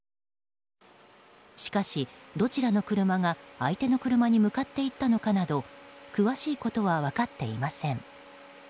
しかし、どちらの車が相手の車に向かっていったのかなど詳しいことは分かっていません。